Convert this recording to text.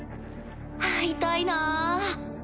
会いたいなぁ。